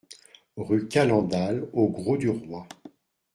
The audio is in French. Rue Calendal au Grau-du-Roi